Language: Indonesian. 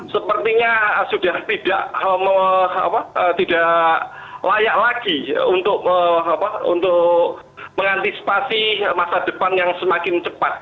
sepertinya sudah tidak layak lagi untuk mengantisipasi masa depan yang semakin cepat